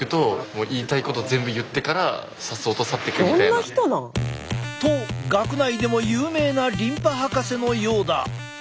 どんな人なん？と学内でも有名なリンパ博士のようだ。